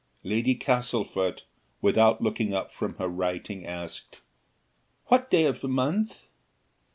Lady Castlefort, without looking up from her writing, asked What day of the month?